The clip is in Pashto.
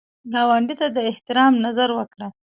ګاونډي ته د احترام نظر وکړه